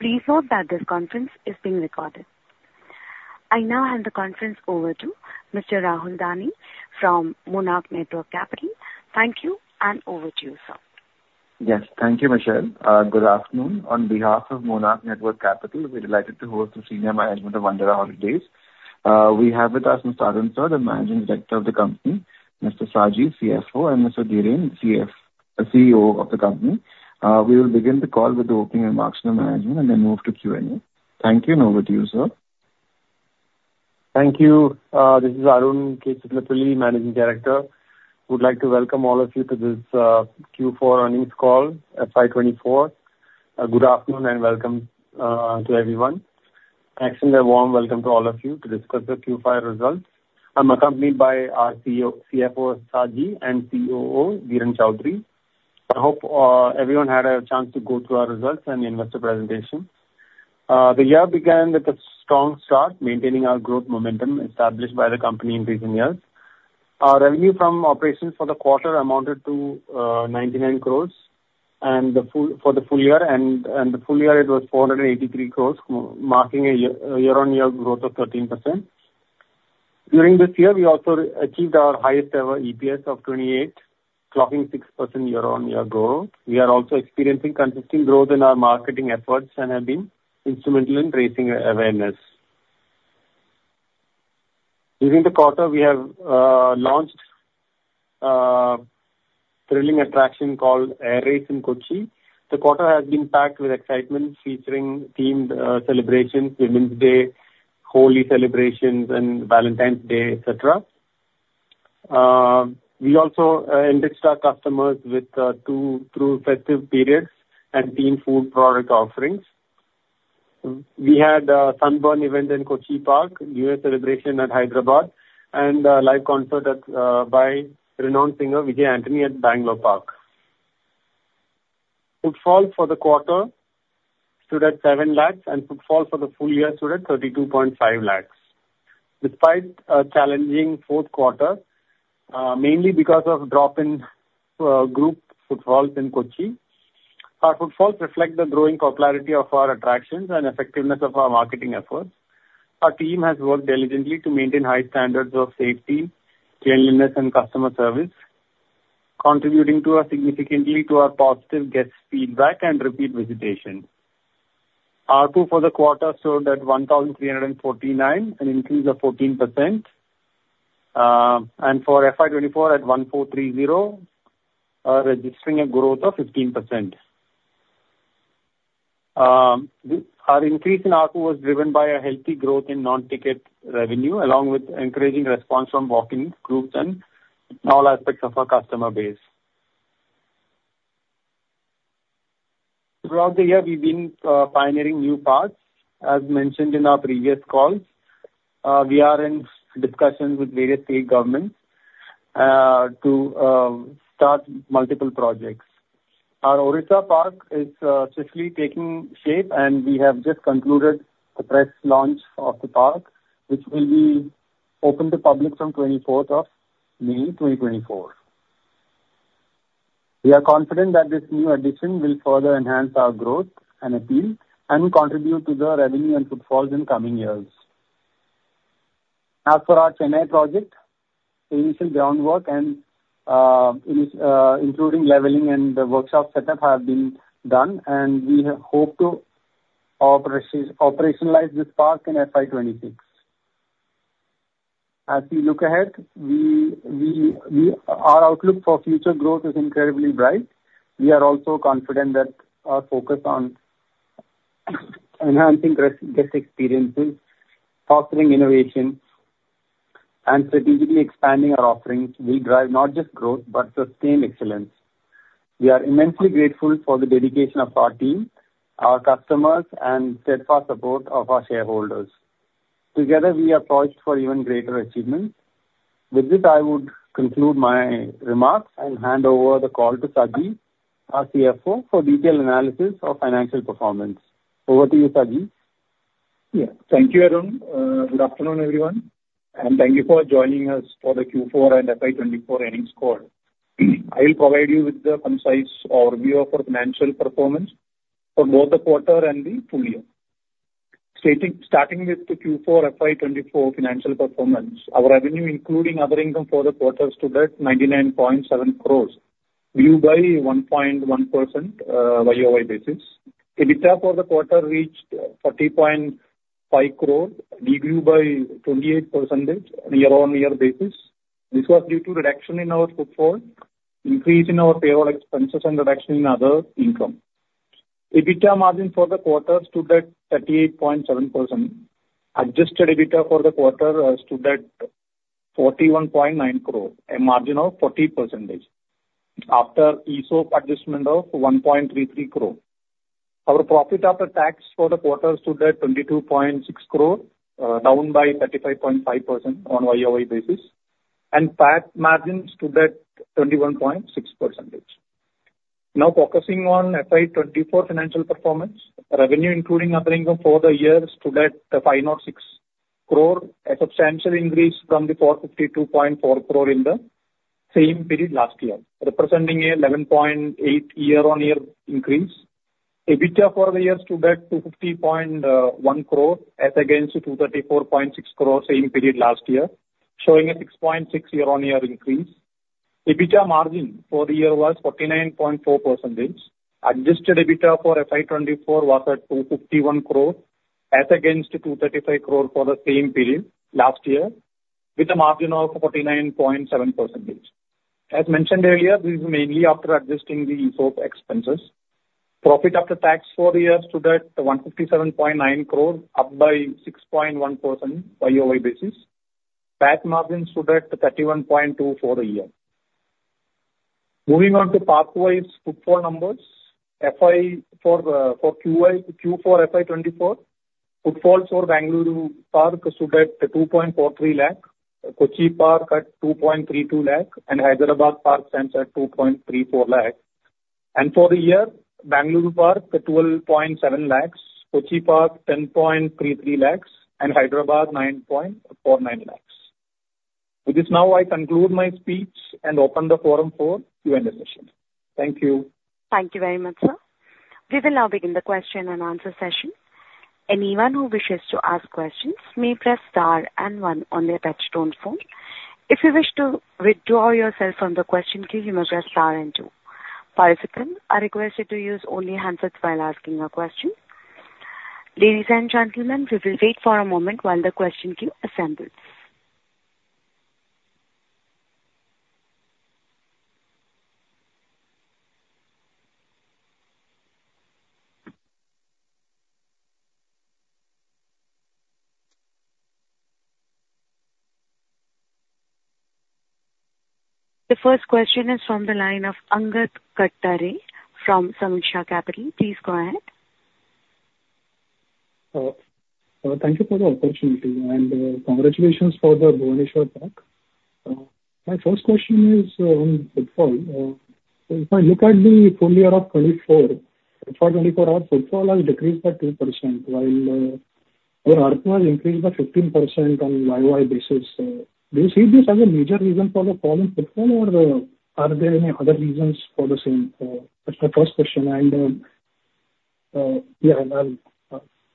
Please note that this conference is being recorded. I now hand the conference over to Mr. Rahul Dani from Monarch Networth Capital. Thank you, and over to you, sir. Yes, thank you, Michelle. Good afternoon. On behalf of Monarch Networth Capital, we're delighted to host the senior management of Wonderla Holidays. We have with us Mr. Arun K. Chittilappilly, the Managing Director of the company, Mr. Saji K. Louiz, CFO, and Mr. Dhiren Chaudhary, COO of the company. We will begin the call with the opening remarks from the management and then move to Q&A. Thank you, and over to you, sir. Thank you. This is Arun K. Chittilappilly, Managing Director. Would like to welcome all of you to this Q4 earnings call, FY 2024. Good afternoon, and welcome to everyone. Actually, a warm welcome to all of you to discuss the Q5 results. I'm accompanied by our CEO-CFO, Saji K. Louiz, and COO, Dhiren Chaudhary. I hope everyone had a chance to go through our results and the investor presentation. The year began with a strong start, maintaining our growth momentum established by the company in recent years. Our revenue from operations for the quarter amounted to 99 crore and for the full year it was 483 crore, marking a year-on-year growth of 13%. During this year, we also achieved our highest ever EPS of 28, clocking 6% year-on-year growth. We are also experiencing consistent growth in our marketing efforts and have been instrumental in raising awareness. During the quarter we have launched a thrilling attraction called Air Race in Kochi. The quarter has been packed with excitement, featuring themed celebrations, Women's Day, Holi celebrations, and Valentine's Day, et cetera. We also enriched our customers with two true festive periods and themed food product offerings. We had a Sunburn event in Kochi Park, New Year's celebration at Hyderabad, and a live concert by renowned singer Vijay Antony at Bangalore Park. Footfall for the quarter stood at 7 lakhs, and footfall for the full year stood at 32.5 lakhs. Despite a challenging fourth quarter, mainly because of drop in group footfalls in Kochi, our footfalls reflect the growing popularity of our attractions and effectiveness of our marketing efforts. Our team has worked diligently to maintain high standards of safety, cleanliness, and customer service, contributing to a significantly to a positive guest feedback and repeat visitation. ARPU for the quarter stood at 1,349, an increase of 14%, and for FY 2024 at 1,430, registering a growth of 15%. Our increase in ARPU was driven by a healthy growth in non-ticket revenue, along with encouraging response from walk-in groups and all aspects of our customer base. Throughout the year, we've been pioneering new paths. As mentioned in our previous calls, we are in discussions with various state governments to start multiple projects. Our Orissa park is swiftly taking shape, and we have just concluded the press launch of the park, which will be open to public from 24th of May 2024. We are confident that this new addition will further enhance our growth and appeal and contribute to the revenue and footfalls in coming years. As for our Chennai project, initial groundwork and, including leveling and the workshop setup have been done, and we hope to operationalize this park in FY 2026. As we look ahead, our outlook for future growth is incredibly bright. We are also confident that our focus on enhancing guest experiences, fostering innovation, and strategically expanding our offerings will drive not just growth, but sustained excellence. We are immensely grateful for the dedication of our team, our customers, and steadfast support of our shareholders. Together, we are poised for even greater achievements. With this, I would conclude my remarks and hand over the call to Saji, our CFO, for detailed analysis of financial performance. Over to you, Saji. Yeah. Thank you, Arun. Good afternoon, everyone, and thank you for joining us for the Q4 and FY 2024 earnings call. I will provide you with the concise overview of our financial performance for both the quarter and the full year. Starting with the Q4 FY 2024 financial performance, our revenue, including other income for the quarter, stood at 99.7 crore, grew by 1.1%, YOY basis. EBITDA for the quarter reached 40.5 crore, grew by 28% on a year-on-year basis. This was due to reduction in our footfall, increase in our payroll expenses, and reduction in other income. EBITDA margin for the quarter stood at 38.7%. Adjusted EBITDA for the quarter stood at 41.9 crore, a margin of 40%, after ESOP adjustment of 1.33 crore. Our profit after tax for the quarter stood at 22.6 crore, down by 35.5% on YOY basis, and PAT margin stood at 21.6%. Now, focusing on FY 2024 financial performance. Revenue, including other income for the year, stood at 506 crore, a substantial increase from the 452.4 crore in the-... same period last year, representing an 11.8 year-on-year increase. EBITDA for the year stood at 250.1 crore as against 234.6 crore same period last year, showing a 6.6 year-on-year increase. EBITDA margin for the year was 49.4%. Adjusted EBITDA for FY 2024 was at 251 crore as against 235 crore for the same period last year, with a margin of 49.7%. As mentioned earlier, this is mainly after adjusting the ESOP expenses. Profit after tax for the year stood at 157.9 crore, up by 6.1% YOY basis. PAT margin stood at 31.2 for the year. Moving on to park-wise footfall numbers. FY for, for QY, Q4 FY 2024, footfalls for Bengaluru park stood at 2.43 lakh, Kochi park at 2.32 lakh, and Hyderabad park stands at 2.34 lakh. For the year, Bengaluru park, at 12.7 lakhs, Kochi park, 10.33 lakhs, and Hyderabad, 9.49 lakhs. With this, now I conclude my speech and open the forum for Q&A session. Thank you. Thank you very much, sir. We will now begin the question and answer session. Anyone who wishes to ask questions may press star and one on their touchtone phone. If you wish to withdraw yourself from the question queue, you may press star and two. Participants are requested to use only handsets while asking a question. Ladies and gentlemen, we will wait for a moment while the question queue assembles. The first question is from the line of Angad Katdare from Sameeksha Capital. Please go ahead. Thank you for the opportunity, and congratulations for the Bhubaneswar park. My first question is on footfall. So if I look at the full year of 2024, FY 2024, our footfall has decreased by 2%, while our ARPU has increased by 15% on YOY basis. Do you see this as a major reason for the falling footfall, or are there any other reasons for the same? That's my first question. And yeah, and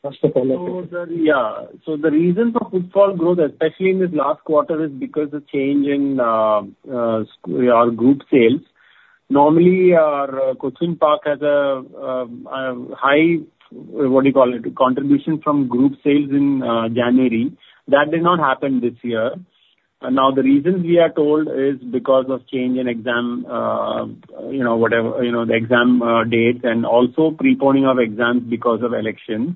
what's the follow-up? So the reason for footfall growth, especially in this last quarter, is because of change in our group sales. Normally, our Kochi park has a high contribution from group sales in January. That did not happen this year. Now, the reasons we are told is because of change in exam, you know, whatever, you know, the exam dates, and also preponing of exams because of elections.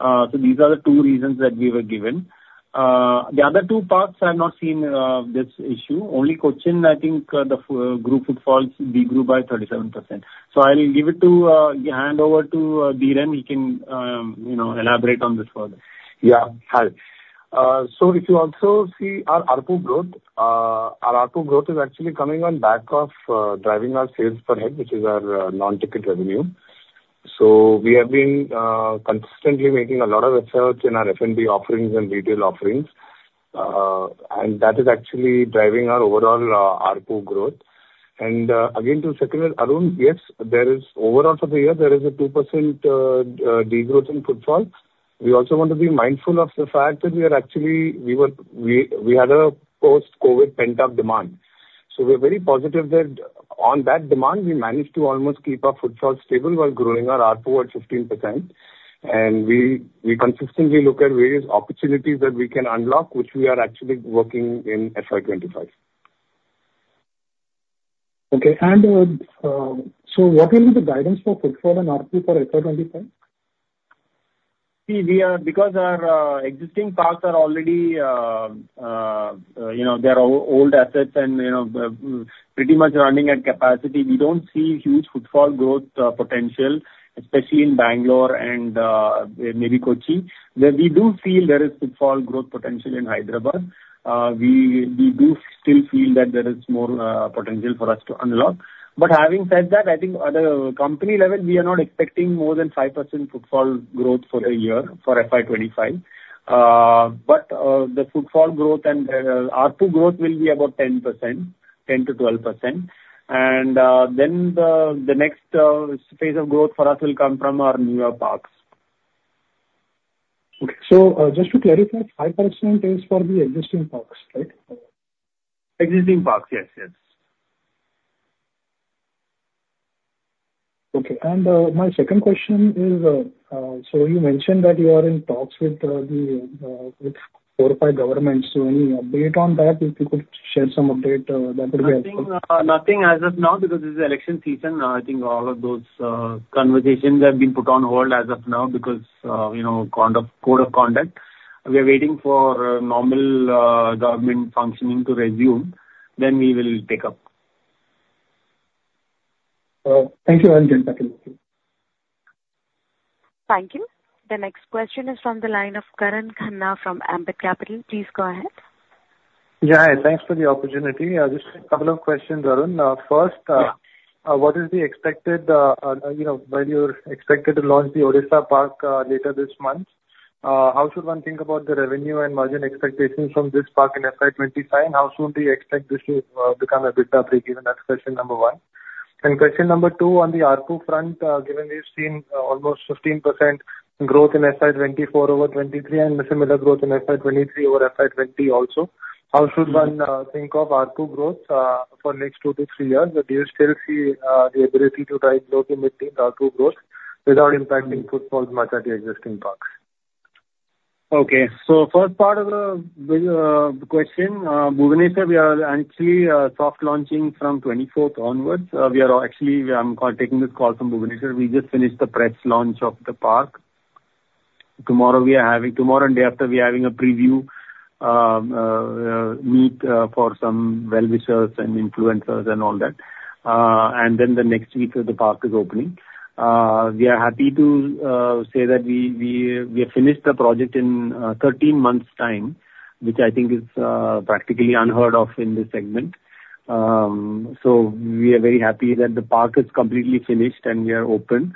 So these are the two reasons that we were given. The other two parks have not seen this issue. Only Kochi, I think, the group footfalls de-grew by 37%. So I'll hand over to Dhiren. He can, you know, elaborate on this further. Yeah, hi. So if you also see our ARPU growth, our ARPU growth is actually coming on back of driving our sales per head, which is our non-ticket revenue. So we have been consistently making a lot of efforts in our F&B offerings and retail offerings, and that is actually driving our overall ARPU growth. And again, to second that, Arun, yes, there is overall for the year, there is a 2% degrowth in footfall. We also want to be mindful of the fact that we are actually- we were, we had a post-COVID pent-up demand. So we're very positive that on that demand, we managed to almost keep our footfall stable while growing our ARPU at 15%. We consistently look at various opportunities that we can unlock, which we are actually working in FY 2025. Okay. So, what will be the guidance for footfall and ARPU for FY 2025? See, we are, because our existing parks are already, you know, they are old assets and, you know, pretty much running at capacity, we don't see huge footfall growth potential, especially in Bangalore and, maybe Kochi. But we do feel there is footfall growth potential in Hyderabad. We do still feel that there is more potential for us to unlock. But having said that, I think at a company level, we are not expecting more than 5% footfall growth for the year, for FY 2025. But the footfall growth and ARPU growth will be about 10%, 10%-12%. And then the next phase of growth for us will come from our newer parks. Okay. So, just to clarify, 5% is for the existing parks, right? Existing parks, yes, yes. Okay. My second question is, so you mentioned that you are in talks with four or five governments. So any update on that? If you could share some update, that would be helpful. Nothing, nothing as of now, because this is election season. I think all of those, conversations have been put on hold as of now because, you know, conduct, code of conduct. We are waiting for, normal, government functioning to resume, then we will pick up. Thank you. I'll jump back in. Thank you. The next question is from the line of Karan Khanna from Ambit Capital. Please go ahead. Yeah, and thanks for the opportunity. Just a couple of questions, Arun. First, Yeah. What is the expected, you know, when you're expected to launch the Odisha park later this month? How should one think about the revenue and margin expectations from this park in FY 2025, and how soon do you expect this to become a bit break even? That's question number one. Question number two, on the ARPU front, given we've seen almost 15% growth in FY 2024 over 2023, and a similar growth in FY 2023 over FY 2020 also, how should one think of ARPU growth for next two to three years? Do you still see the ability to drive growth in maintaining ARPU growth without impacting footfalls much at the existing parks? Okay. So first part of the question, Bhubaneswar, we are actually soft launching from 24th onwards. We are actually. I'm taking this call from Bhubaneswar. We just finished the press launch of the park. Tomorrow we are having, tomorrow and day after, we are having a preview meet for some well-wishers and influencers and all that. And then the next week, the park is opening. We are happy to say that we have finished the project in 13 months' time, which I think is practically unheard of in this segment. So we are very happy that the park is completely finished and we are open.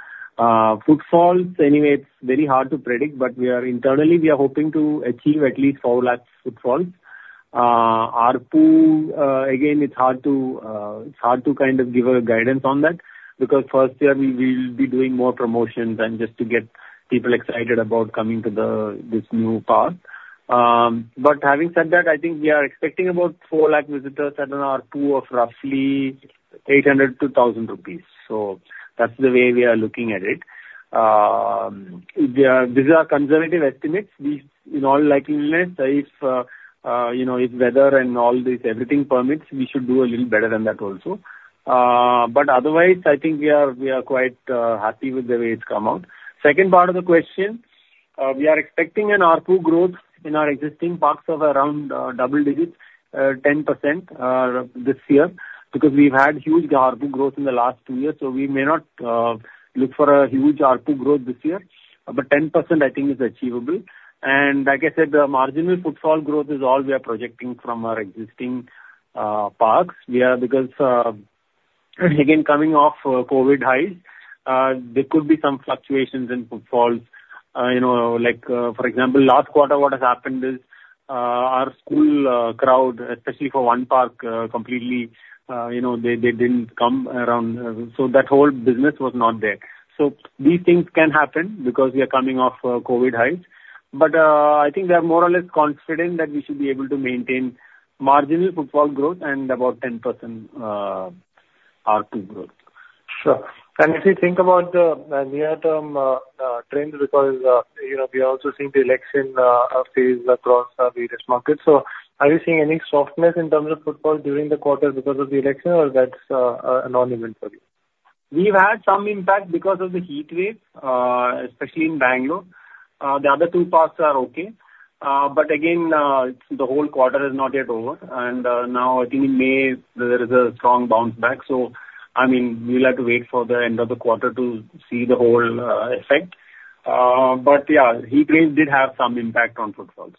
Footfalls, anyway, it's very hard to predict, but we are internally hoping to achieve at least 4 lakhs footfalls. ARPU, again, it's hard to, it's hard to kind of give a guidance on that, because first year we, we will be doing more promotions and just to get people excited about coming to the, this new park. But having said that, I think we are expecting about 400,000 visitors at an ARPU of roughly 800-1,000 rupees. So that's the way we are looking at it. These are, these are conservative estimates. These, in all likelihood, if you know, if weather and all this, everything permits, we should do a little better than that also. But otherwise, I think we are, we are quite, happy with the way it's come out. Second part of the question, we are expecting an ARPU growth in our existing parks of around, double digits, 10%, this year, because we've had huge ARPU growth in the last two years, so we may not look for a huge ARPU growth this year, but 10% I think is achievable. And like I said, the marginal footfall growth is all we are projecting from our existing, parks. We are because, again, coming off of COVID highs, there could be some fluctuations in footfalls. You know, like, for example, last quarter, what has happened is, our school, crowd, especially for one park, completely, you know, they, they didn't come around, so that whole business was not there. So these things can happen because we are coming off, COVID highs. But, I think we are more or less confident that we should be able to maintain marginal footfall growth and about 10% ARPU growth. Sure. And if you think about the near-term trends, because, you know, we are also seeing the election phase across various markets. So are you seeing any softness in terms of footfall during the quarter because of the election, or that's a non-event for you? We've had some impact because of the heat wave, especially in Bangalore. The other two parks are okay. But again, the whole quarter is not yet over. And now I think in May there is a strong bounce back. So I mean, we'll have to wait for the end of the quarter to see the whole effect. But yeah, heat wave did have some impact on footfalls.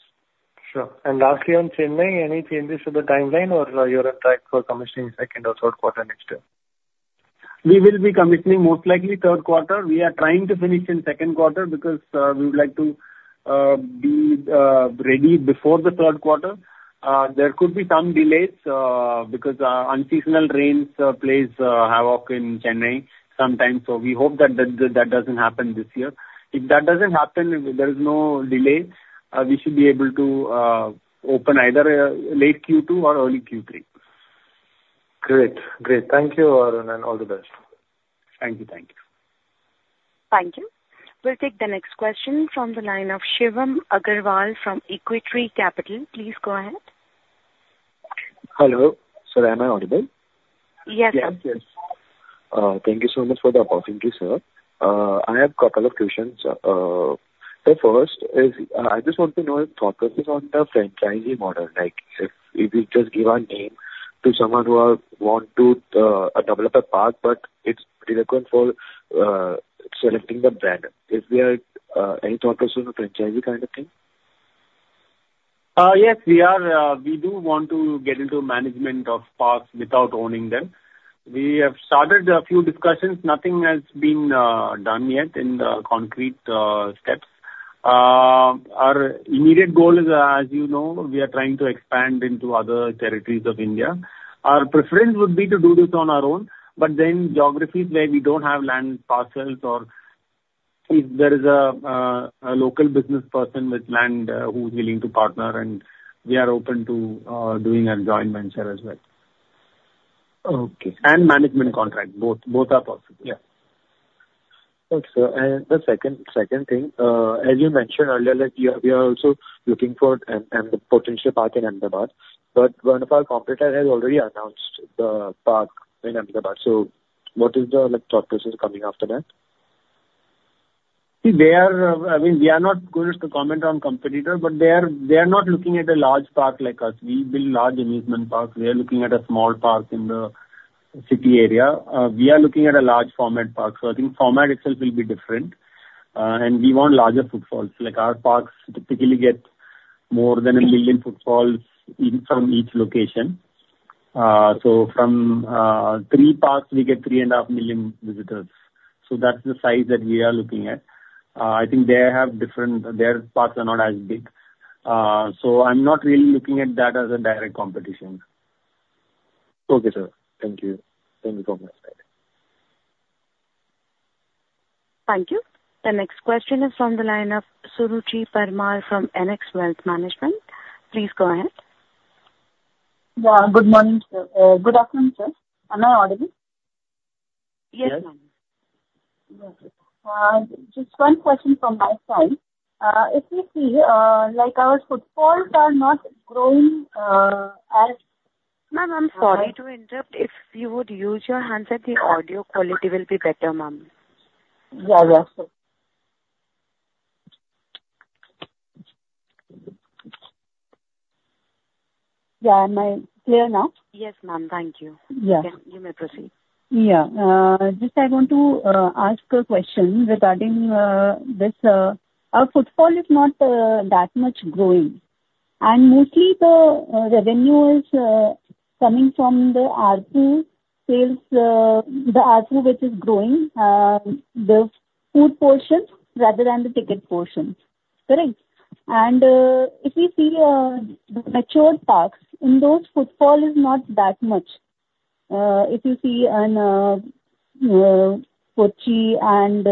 Sure. Lastly, on Chennai, any changes to the timeline or are you on track for commissioning second or third quarter next year? We will be commissioning most likely third quarter. We are trying to finish in second quarter because we would like to be ready before the third quarter. There could be some delays because unseasonal rains plays havoc in Chennai sometimes, so we hope that that doesn't happen this year. If that doesn't happen, if there is no delay, we should be able to open either late Q2 or early Q3. Great. Great. Thank you, Arun, and all the best. Thank you. Thank you. Thank you. We'll take the next question from the line of Subham Agarwal from Aequitas Investment Consultancy. Please go ahead. Hello. Sir, am I audible? Yes. Yes, yes. Thank you so much for the opportunity, sir. I have a couple of questions. The first is, I just want to know if focus is on the franchising model. Like, if, if you just give a name to someone who are, want to, develop a park, but it's pretty good for, selecting the brand. Is there, any thoughts on the franchisee kind of thing? Yes, we are, we do want to get into management of parks without owning them. We have started a few discussions. Nothing has been done yet in concrete steps. Our immediate goal is, as you know, we are trying to expand into other territories of India. Our preference would be to do this on our own, but then geographies where we don't have land parcels, or if there is a local business person with land, who's willing to partner, and we are open to doing a joint venture as well. Okay. Management contract. Both, both are possible. Yeah. Okay, sir, and the second thing, as you mentioned earlier, like you are, we are also looking for a potential park in Ahmedabad, but one of our competitor has already announced the park in Ahmedabad, so what is the like thought process coming after that? See, they are. I mean, we are not going to comment on competitor, but they are, they are not looking at a large park like us. We build large amusement parks. They are looking at a small park in the city area. We are looking at a large format park, so I think format itself will be different. We want larger footfalls, like, our parks typically get more than 1 million footfalls in, from each location. So from, three parks, we get 3.5 million visitors. So that's the size that we are looking at. I think they have different—their parks are not as big. So I'm not really looking at that as a direct competition. Okay, sir. Thank you. Thank you for my time. Thank you. The next question is from the line of Suruchi Parmar from NX Wealth Management. Please go ahead. Yeah, good morning, sir. Good afternoon, sir. Am I audible? Yes, ma'am. Got it. Just one question from my side. If you see, like, our footfalls are not growing, as- Ma'am, I'm sorry to interrupt. If you would use your handset, the audio quality will be better, ma'am. Yeah, yeah, sure. Yeah, am I clear now? Yes, ma'am. Thank you. Yeah. You may proceed. Yeah. Just I want to ask a question regarding this. Our footfall is not that much growing, and mostly the revenue is coming from the ARPU sales, the ARPU which is growing, the food portion rather than the ticket portion. Correct? And if we see the mature parks, in those footfall is not that much. If you see in Kochi and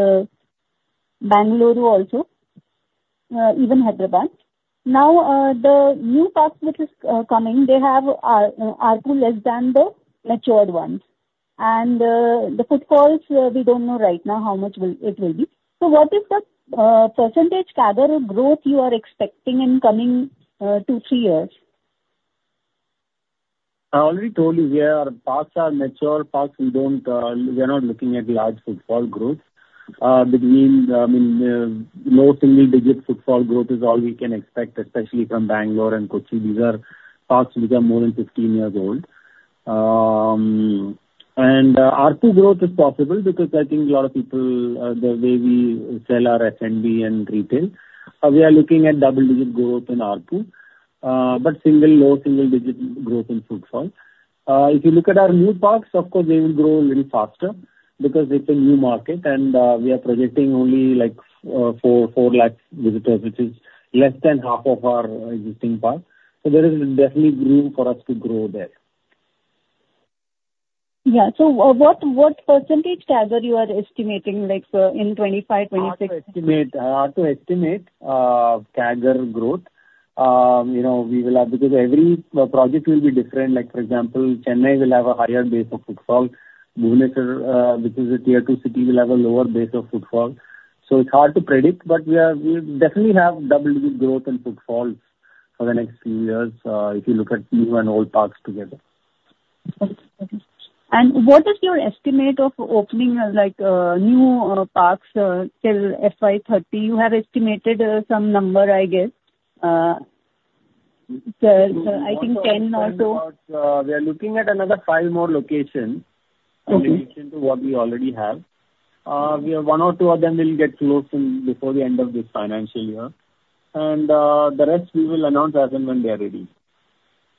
Bengaluru also, even Hyderabad. Now the new park which is coming, they have ARPU less than the matured ones. And the footfalls, we don't know right now how much it will be. So what is the percentage CAGR growth you are expecting in coming two to three years? I already told you, yeah, our parks are mature parks. We don't, we're not looking at large footfall growth. Between, I mean, low single-digit footfall growth is all we can expect, especially from Bangalore and Kochi. These are parks which are more than 15 years old. And ARPU growth is possible because I think a lot of people, the way we sell our F&B and retail, we are looking at double-digit growth in ARPU, but single, low single-digit growth in footfall. If you look at our new parks, of course, they will grow a little faster because it's a new market and we are projecting only like 4 lakh visitors, which is less than half of our existing park. So there is definitely room for us to grow there. Yeah. So what, what percentage CAGR you are estimating, like, in 2025, 2026? Hard to estimate, hard to estimate, CAGR growth. You know, we will have... Because every project will be different. Like, for example, Chennai will have a higher base of footfall. Bhubaneswar, which is a tier two city, will have a lower base of footfall. So it's hard to predict, but we definitely have double-digit growth in footfalls for the next few years, if you look at new and old parks together. Okay. What is your estimate of opening, like, new parks, till FY 2030? You have estimated, some number, I guess. Sir, I think 10, also. We are looking at another five more locations- Okay. In addition to what we already have. We have one or two of them will get closed in before the end of this financial year, and the rest we will announce as and when they are ready.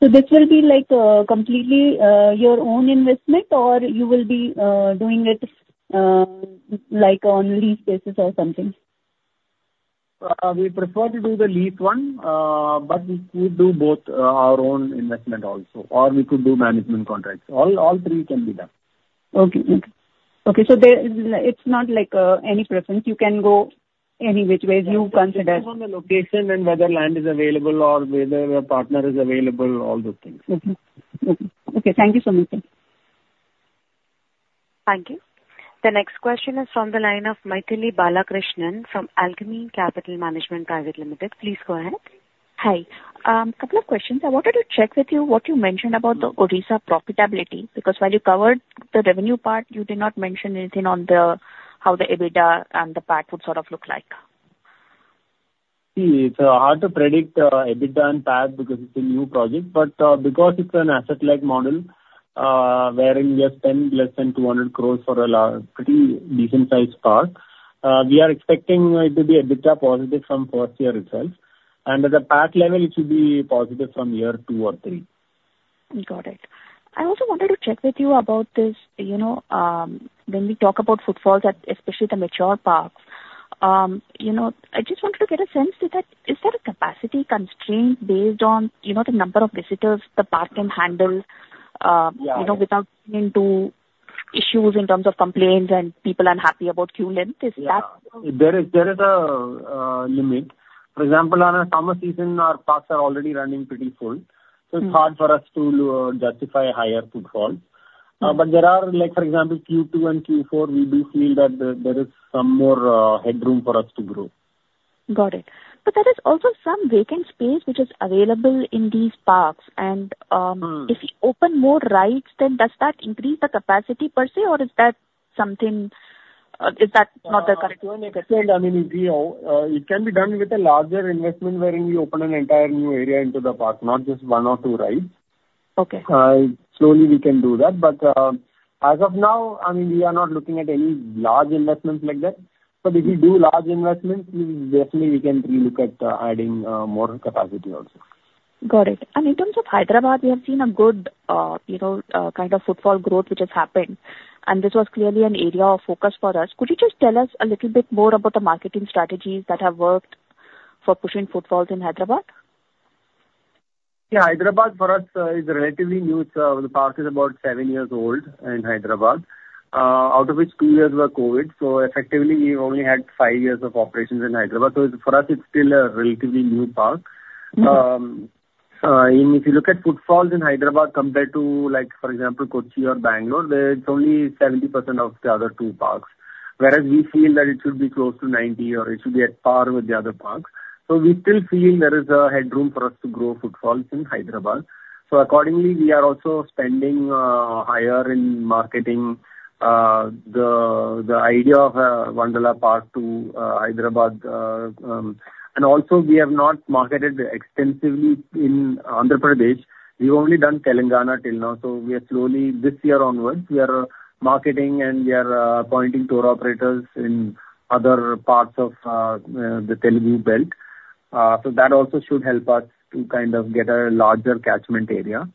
This will be like completely your own investment, or you will be doing it like on lease basis or something? We prefer to do the lease one, but we do both, our own investment also, or we could do management contracts. All three can be done. Okay. Okay, so there, it's not like, any preference. You can go any which way you consider. It depends on the location and whether land is available or whether a partner is available, all those things. Mm-hmm. Mm-hmm. Okay, thank you so much, sir. Thank you. The next question is from the line of Mythili Balakrishnan from Alchemy Capital Management Private Limited. Please go ahead. Hi. Couple of questions. I wanted to check with you what you mentioned about the Odisha profitability, because while you covered the revenue part, you did not mention anything on the, how the EBITDA and the PAT would sort of look like. See, it's hard to predict EBITDA and PAT because it's a new project, but because it's an asset-light model, wherein we have spent less than 200 crore for a large, pretty decent sized park, we are expecting it to be EBITDA positive from first year results. And at the PAT level, it should be positive from year two or three. Got it. I also wanted to check with you about this, you know, when we talk about footfalls, at especially the mature parks, you know, I just wanted to get a sense is that, is there a capacity constraint based on, you know, the number of visitors the park can handle? Yeah. you know, without running into issues in terms of complaints and people are unhappy about queue length? Is that- Yeah. There is a limit. For example, on a summer season, our parks are already running pretty full. Mm. It's hard for us to justify higher footfall. Mm. But there are, like, for example, Q2 and Q4, we do feel that there, there is some more headroom for us to grow. Got it. But there is also some vacant space which is available in these parks, and Mm. - If you open more rides, then does that increase the capacity per se, or is that something... Is that not the case? Like I explained, I mean, we, it can be done with a larger investment, wherein we open an entire new area into the park, not just one or two rides. Okay. Slowly we can do that, but as of now, I mean, we are not looking at any large investments like that. But if we do large investments, we obviously we can relook at adding more capacity also. Got it. In terms of Hyderabad, we have seen a good, you know, kind of footfall growth which has happened, and this was clearly an area of focus for us. Could you just tell us a little bit more about the marketing strategies that have worked for pushing footfalls in Hyderabad? Yeah. Hyderabad for us is relatively new. So the park is about seven years old in Hyderabad, out of which two years were COVID. So effectively, we only had five years of operations in Hyderabad. So for us, it's still a relatively new park. Mm. And if you look at footfalls in Hyderabad compared to, like, for example, Kochi or Bangalore, there it's only 70% of the other two parks. Whereas we feel that it should be close to 90%, or it should be at par with the other parks. So we still feel there is a headroom for us to grow footfalls in Hyderabad. So accordingly, we are also spending higher in marketing the idea of Wonderla Park to Hyderabad. And also we have not marketed extensively in Andhra Pradesh. We've only done Telangana till now. So we are slowly. This year onwards, we are marketing and we are appointing tour operators in other parts of the Telugu belt. So that also should help us to kind of get a larger catchment area.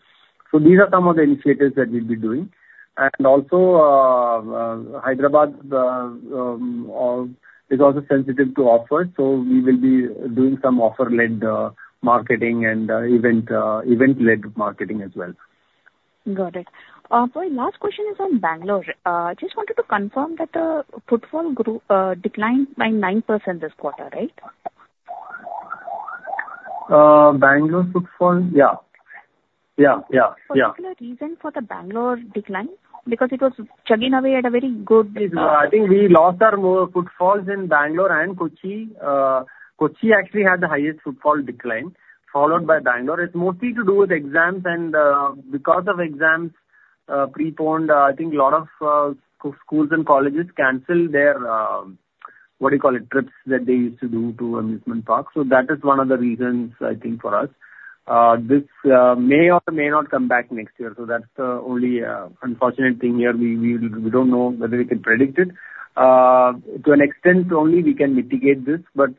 So these are some of the initiatives that we've been doing. And also, Hyderabad is also sensitive to offers, so we will be doing some offer-led marketing and event-led marketing as well. Got it. My last question is on Bangalore. Just wanted to confirm that the footfall grew, declined by 9% this quarter, right? Bangalore footfall? Yeah. Yeah, yeah, yeah. Particular reason for the Bangalore decline, because it was chugging away at a very good- I think we lost our more footfalls in Bangalore and Kochi. Kochi actually had the highest footfall decline, followed by Bangalore. It's mostly to do with exams, and, because of exams, postponed, I think a lot of, schools and colleges canceled their, what do you call it? Trips that they used to do to amusement parks. So that is one of the reasons, I think, for us. This may or may not come back next year, so that's the only unfortunate thing here. We don't know whether we can predict it. To an extent only we can mitigate this, but,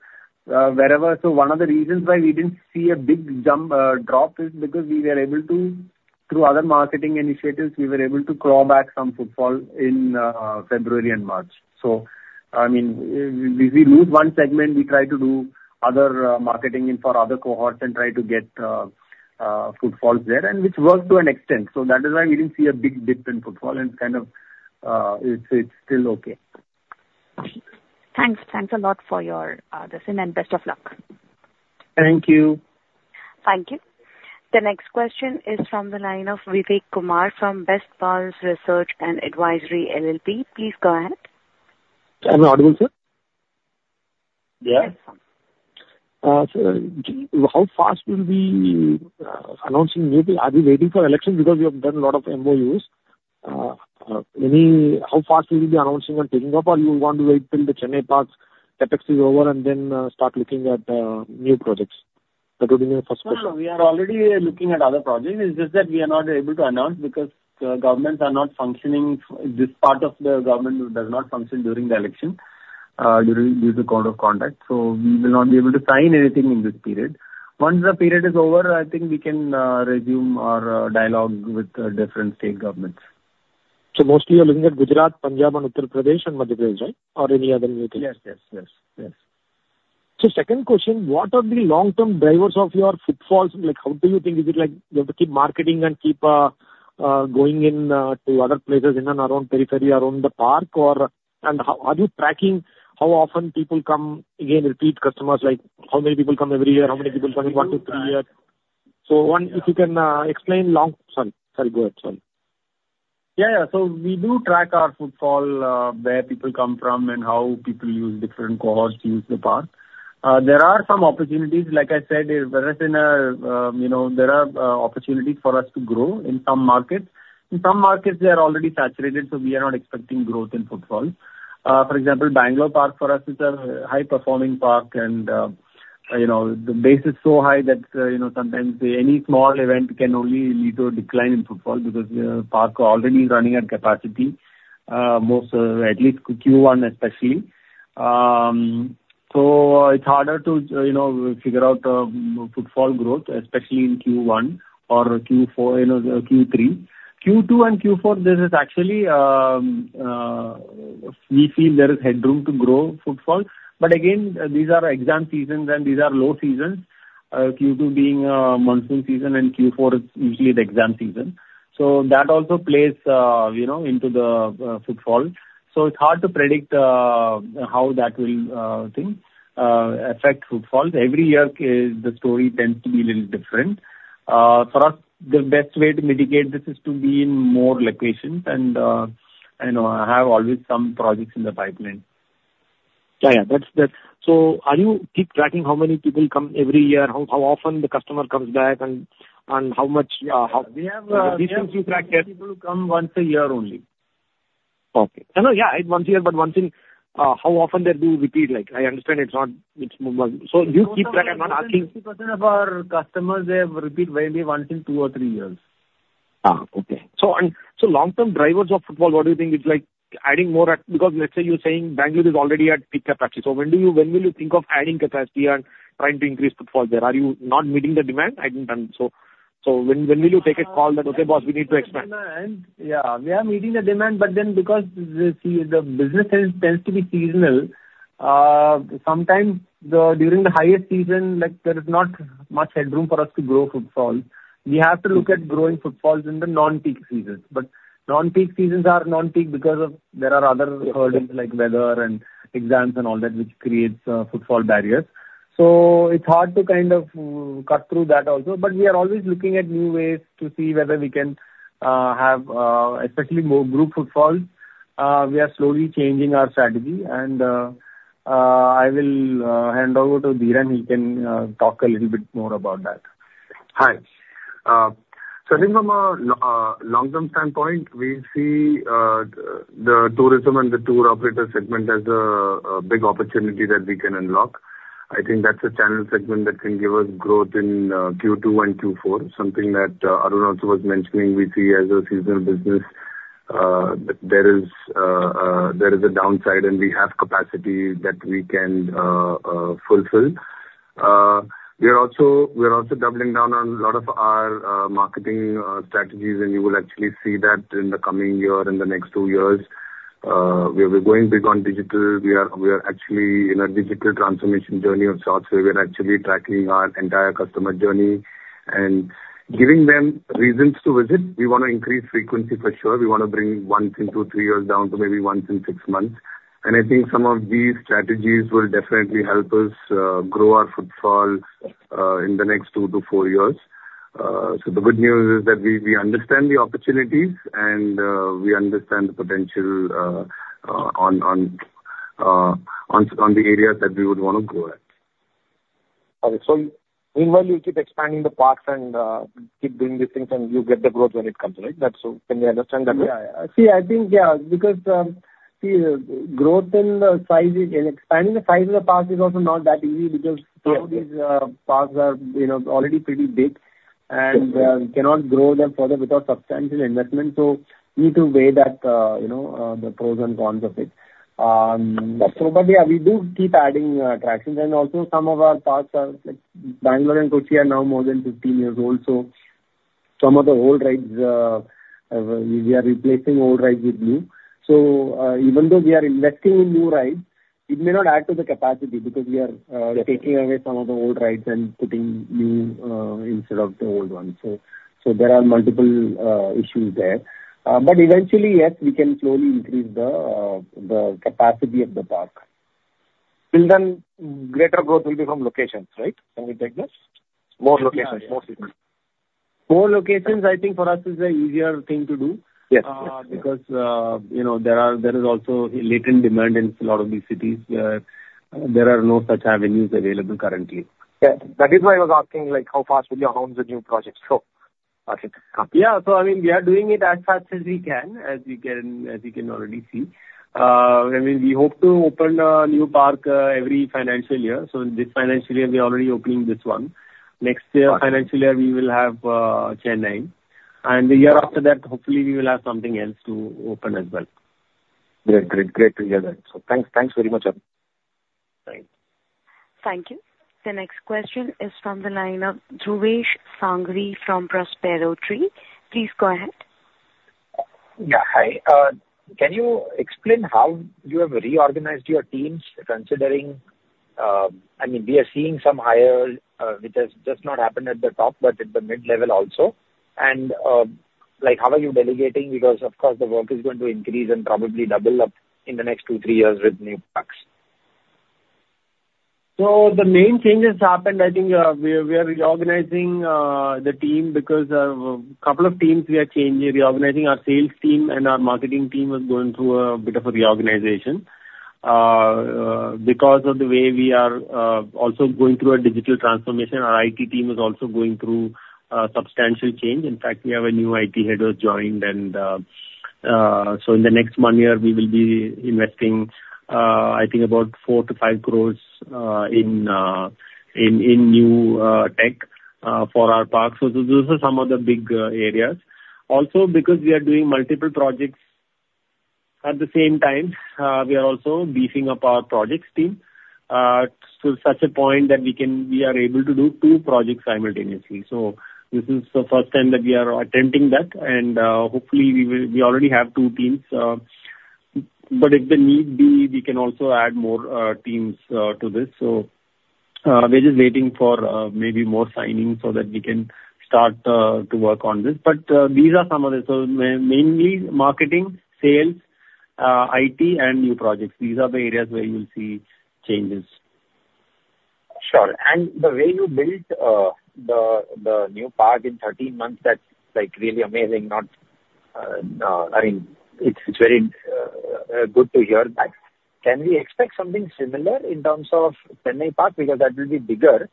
wherever... So one of the reasons why we didn't see a big jump, drop is because we were able to, through other marketing initiatives, we were able to claw back some footfall in, February and March. So, I mean, we, we lose one segment, we try to do other, marketing in for other cohorts and try to get, footfalls there, and which works to an extent. So that is why we didn't see a big dip in footfall, and kind of, it's, it's still okay. Thanks. Thanks a lot for your insight, and best of luck. Thank you. Thank you. The next question is from the line of Vivek Kumar from Bestpals Research and Advisory LLP. Please go ahead. Am I audible, sir? Yeah. So, how fast will be announcing new... Are you waiting for election? Because you have done a lot of MOUs. How fast will you be announcing and taking up, or you want to wait till the Chennai parks CapEx is over and then start looking at new projects? That will be my first question. No, no, we are already looking at other projects. It's just that we are not able to announce because governments are not functioning. This part of the government does not function during the election due to code of conduct. So we will not be able to sign anything in this period. Once the period is over, I think we can resume our dialogue with different state governments. Mostly you're looking at Gujarat, Punjab and Uttar Pradesh and Madhya Pradesh, right? Or any other new thing? Yes, yes, yes, yes. So second question, what are the long-term drivers of your footfalls? Like, how do you think, is it like you have to keep marketing and keep going in to other places in and around periphery around the park or... And are you tracking how often people come, again, repeat customers, like, how many people come every year, how many people come in one to three years? We do track- So, one, if you can explain. Sorry, sorry, go ahead. Sorry. Yeah, yeah. So we do track our footfall, where people come from and how people use, different cohorts use the park. There are some opportunities, like I said, you know, there are opportunities for us to grow in some markets. In some markets, they are already saturated, so we are not expecting growth in footfall. For example, Bangalore Park for us is a high-performing park and, you know, the base is so high that, you know, sometimes any small event can only lead to a decline in footfall because park already running at capacity, most at least Q1 especially. So it's harder to, you know, figure out footfall growth, especially in Q1 or Q4, you know, Q3. Q2 and Q4, there is actually, we feel there is headroom to grow footfall. But again, these are exam seasons, and these are low seasons, Q2 being, monsoon season, and Q4 is usually the exam season. So that also plays, you know, into the, footfall. So it's hard to predict, how that will affect footfall. Every year, the story tends to be a little different. For us, the best way to mitigate this is to be in more locations and, you know, have always some projects in the pipeline. Yeah, yeah, that's that. So are you keep tracking how many people come every year, how often the customer comes back and how much, how- We have, Do you track it? People come once a year only.... Okay. No, no, yeah, it's once a year, but one thing, how often they do repeat, like, I understand it's not, it's more like... So do you keep track? I'm not asking- 50% of our customers, they have repeat maybe once in two or three years. Ah, okay. So, long-term drivers of footfall, what do you think is like adding more attractions? Because let's say you're saying Bangalore is already at peak capacity. So when will you think of adding capacity and trying to increase footfall there? Are you not meeting the demand? I think, so when will you take a call that, "Okay, boss, we need to expand? Yeah, we are meeting the demand, but then because the business tends to be seasonal, sometimes during the highest season, like, there is not much headroom for us to grow footfall. We have to look at growing footfalls in the non-peak seasons. But non-peak seasons are non-peak because there are other hurdles like weather and exams and all that, which creates footfall barriers. So it's hard to kind of cut through that also. But we are always looking at new ways to see whether we can have, especially more group footfall. We are slowly changing our strategy, and I will hand over to Dhiren. He can talk a little bit more about that. Hi. So I think from a long-term standpoint, we see the tourism and the tour operator segment as a big opportunity that we can unlock. I think that's a channel segment that can give us growth in Q2 and Q4, something that Arun also was mentioning. We see as a seasonal business, but there is a downside, and we have capacity that we can fulfill. We are also doubling down on a lot of our marketing strategies, and you will actually see that in the coming year, in the next two years. We're going big on digital. We are actually in a digital transformation journey of sorts, where we are actually tracking our entire customer journey and giving them reasons to visit. We wanna increase frequency for sure. We wanna bring once in two to three years down to maybe once in 6 months. I think some of these strategies will definitely help us grow our footfall in the next two to four years. So the good news is that we understand the opportunities, and we understand the potential on the areas that we would wanna grow at. Okay. So meanwhile, you keep expanding the parks and, keep doing these things, and you get the growth when it comes, right? That's so... Can we understand that right? Yeah. See, I think, yeah, because, see, growth in the size is, and expanding the size of the park is also not that easy, because- Mm-hmm. Some of these parks are, you know, already pretty big, and we cannot grow them further without substantial investment. So we need to weigh that, you know, the pros and cons of it. So but, yeah, we do keep adding attractions. And also some of our parks are, like, Bangalore and Kochi are now more than 15 years old, so some of the old rides, we are replacing old rides with new. So even though we are investing in new rides, it may not add to the capacity because we are, Yes. taking away some of the old rides and putting new instead of the old ones. So there are multiple issues there. But eventually, yes, we can slowly increase the capacity of the park. Till then, greater growth will be from locations, right? Can we take this? More locations, more cities. More locations, I think, for us is an easier thing to do. Yes. Because, you know, there is also a latent demand in a lot of these cities, where there are no such avenues available currently. Yeah, that is why I was asking, like, how fast will you launch the new projects? So okay, Yeah, so I mean, we are doing it as fast as we can, as you can already see. I mean, we hope to open a new park every financial year. So this financial year, we are already opening this one. Right. Next year, financial year, we will have Chennai. The year after that, hopefully we will have something else to open as well. Great. Great, great to hear that. So thanks. Thanks very much, Arun. Thank you. Thank you. The next question is from the line of Dhruvesh Sanghvi from Prospero Tree. Please go ahead. Yeah, hi. Can you explain how you have reorganized your teams, considering... I mean, we are seeing some hires, which has just not happened at the top, but at the mid-level also. And, like, how are you delegating? Because, of course, the work is going to increase and probably double up in the next two to three years with new parks. So the main changes happened, I think, we are reorganizing the team because couple of teams we are changing. Reorganizing our sales team and our marketing team is going through a bit of a reorganization. Because of the way we are also going through a digital transformation, our IT team is also going through substantial change. In fact, we have a new IT head who has joined. So in the next one year, we will be investing, I think about 4-5 crores in new tech for our parks. So those are some of the big areas. Also, because we are doing multiple projects at the same time, we are also beefing up our projects team to such a point that we are able to do two projects simultaneously. So this is the first time that we are attempting that, and hopefully, we will. We already have two teams, but if the need be, we can also add more teams to this. So we're just waiting for maybe more signing so that we can start to work on this. But these are some of the. So mainly marketing, sales, IT, and new projects. These are the areas where you'll see changes. Sure. And the way you built the new park in 13 months, that's like really amazing, I mean, it's very good to hear that.... Can we expect something similar in terms of Chennai park? Because that will be bigger.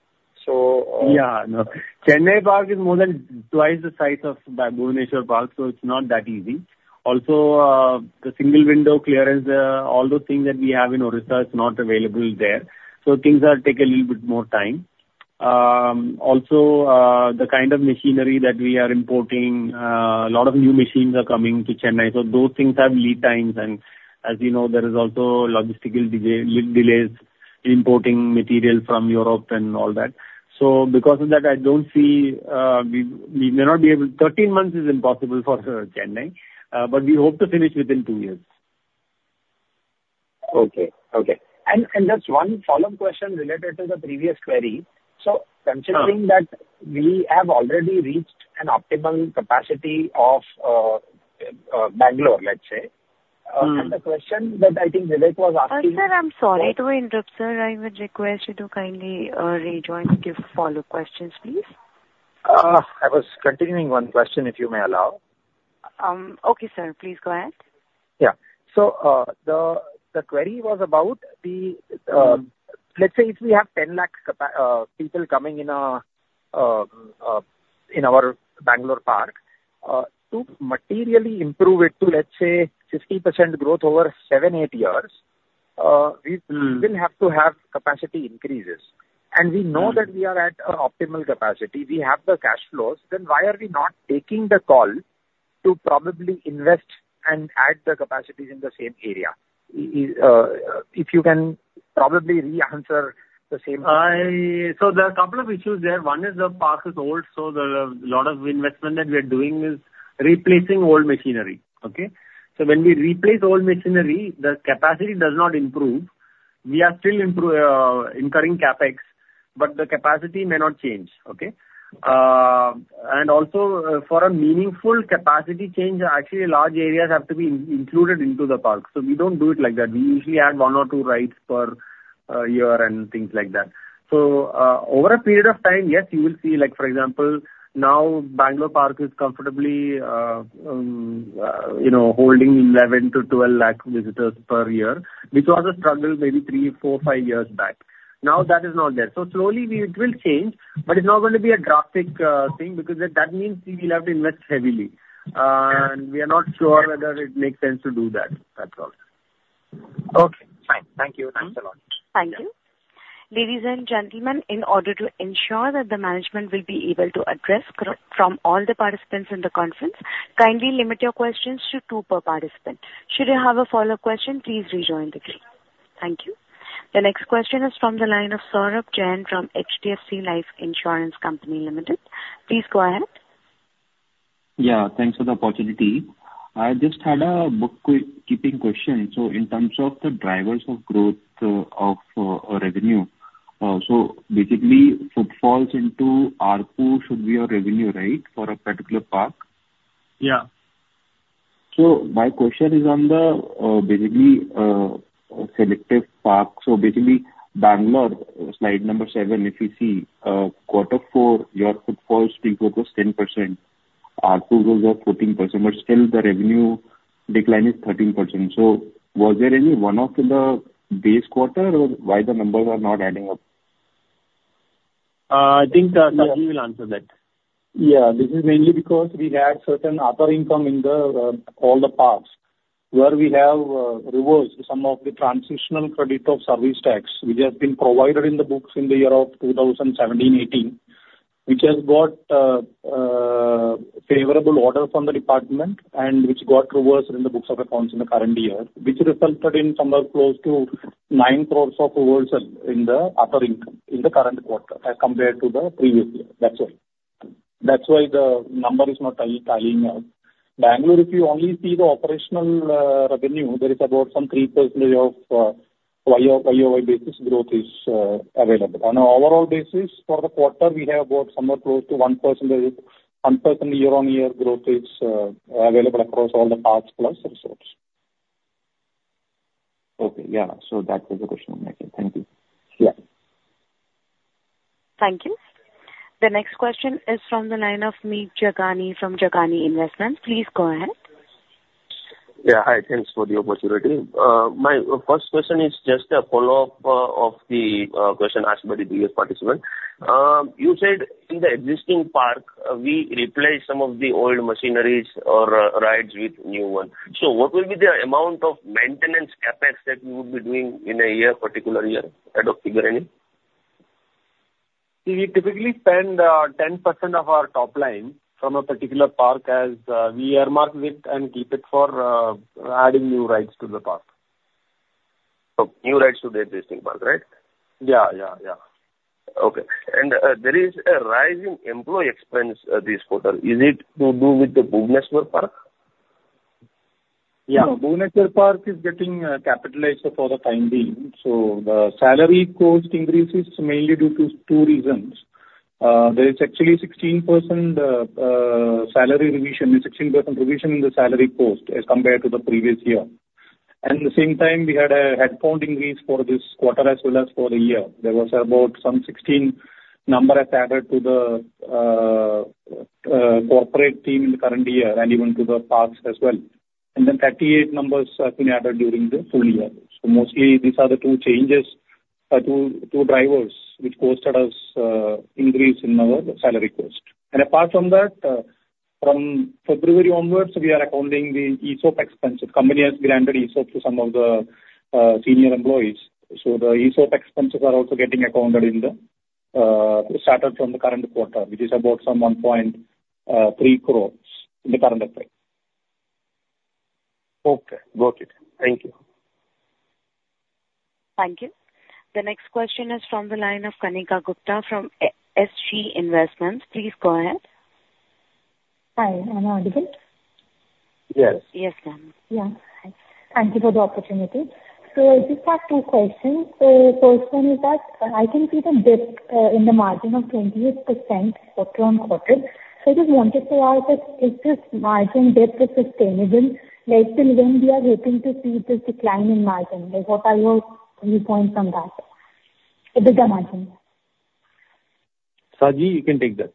So, Yeah, no. Chennai park is more than twice the size of Bhubaneswar park, so it's not that easy. Also, the single window clearance, all those things that we have in Odisha, it's not available there, so things take a little bit more time. Also, the kind of machinery that we are importing, a lot of new machines are coming to Chennai, so those things have lead times, and as you know, there is also logistical delays importing material from Europe and all that. So because of that, I don't see, we, we may not be able... 13 months is impossible for Chennai, but we hope to finish within two years. Okay. Just one follow-up question related to the previous query. So- Uh. Considering that we have already reached an optimal capacity of Bangalore, let's say. Mm. And the question that I think Vivek was asking- Sir, I'm sorry to interrupt, sir. I would request you to kindly rejoin to give follow-up questions, please. I was continuing one question, if you may allow. Okay, sir. Please go ahead. Yeah. So, the query was about the, let's say if we have 10 lakh capa- people coming in, in our Bangalore park, to materially improve it to, let's say, 50% growth over seven to eight years. Mm. We will have to have capacity increases. Mm. We know that we are at an optimal capacity. We have the cash flows, then why are we not taking the call to probably invest and add the capacities in the same area? If you can probably re-answer the same question. So there are a couple of issues there. One is the park is old, so there's a lot of investment that we are doing is replacing old machinery, okay? So when we replace old machinery, the capacity does not improve. We are still incurring CapEx, but the capacity may not change, okay? And also, for a meaningful capacity change, actually, large areas have to be included into the park. So we don't do it like that. We usually add one or two rides per year and things like that. So, over a period of time, yes, you will see, like, for example, now Bangalore Park is comfortably, you know, holding 11-12 lakh visitors per year, which was a struggle maybe three, four, five years back. Now, that is not there. So slowly, it will change, but it's not going to be a drastic thing, because that, that means we will have to invest heavily. Yeah. and we are not sure whether it makes sense to do that. That's all. Okay, fine. Thank you. Mm-hmm. Thanks a lot. Thank you. Ladies and gentlemen, in order to ensure that the management will be able to address questions from all the participants in the conference, kindly limit your questions to two per participant. Should you have a follow-up question, please rejoin the queue. Thank you. The next question is from the line of Saurabh Jain from HDFC Life Insurance Company Limited. Please go ahead. Yeah, thanks for the opportunity. I just had a bookkeeping question. So in terms of the drivers of growth, of revenue, so basically, footfalls into ARPU should be your revenue, right? For a particular park. Yeah. My question is on the existing park. Basically, Bangalore, slide number seven, if you see, quarter four, your footfalls grew close to 10%, ARPU was up 14%, but still the revenue decline is 13%. Was there any one-off in the base quarter, or why the numbers are not adding up? I think Saji will answer that. Yeah. This is mainly because we had certain other income in all the parks, where we have reversed some of the transitional credit of service tax, which has been provided in the books in the year of 2017/18, which has got a favorable order from the department and which got reversed in the books of accounts in the current year, which resulted in somewhere close to 9 crore overall in the other income in the current quarter as compared to the previous year. That's why. That's why the number is not tying up. Bangalore, if you only see the operational revenue, there is about some 3% YOY basis growth available. On an overall basis for the quarter, we have about somewhere close to 1%, 1% year-on-year growth is available across all the parks plus resorts. Okay, yeah. So that was the question on my end. Thank you. Yeah. Thank you. The next question is from the line of Meet Jagani from Jagani Investments. Please go ahead. Yeah, hi. Thanks for the opportunity. My first question is just a follow-up of the question asked by the previous participant. You said in the existing park, we replace some of the old machineries or rides with new one. So what will be the amount of maintenance CapEx that you would be doing in a year, particular year, kind of figure, any? We typically spend 10% of our top line from a particular park, as we earmark it and keep it for adding new rides to the park. Oh, new rides to the existing park, right? Yeah, yeah, yeah. Okay. There is a rise in employee expense this quarter. Is it to do with the Bhubaneswar park? Yeah. No, Bhubaneswar park is getting capitalized for the time being. So the salary cost increase is mainly due to two reasons. There is actually 16%, salary revision, a 16% revision in the salary post as compared to the previous year. And at the same time, we had a headcount increase for this quarter as well as for the year. There was about some 16-... numbers have been added to the corporate team in the current year and even to the parks as well. And then 38 numbers have been added during the full year. So mostly these are the two changes, two drivers which caused us increase in our salary cost. And apart from that, from February onwards, we are accounting the ESOP expenses. Company has granted ESOP to some of the senior employees. The ESOP expenses are also getting accounted in, started from the current quarter, which is about 1.3 crore in the current FY. Okay. Got it. Thank you. Thank you. The next question is from the line of Kanika Gupta from SG Investments. Please go ahead. Hi, am I audible? Yes. Yes, ma'am. Yeah. Hi. Thank you for the opportunity. So I just have two questions. So first one is that I can see the dip in the margin of 28% quarter-on-quarter. So I just wanted to know if this margin dip is sustainable, like till when we are hoping to see this decline in margin? Like, what are your viewpoints on that? EBITDA margin. Saji, you can take that.